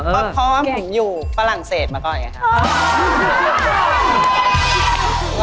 ก็พร้อมอยู่ฝรั่งเศสมาก่อนอย่างนี้ครับ